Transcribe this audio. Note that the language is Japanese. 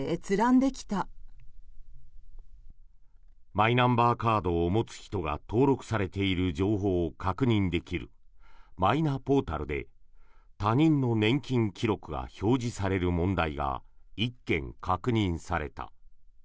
マイナンバーカードを持つ人が登録されている情報を確認できるマイナポータルで他人の年金記録が表示される問題が１件確認された。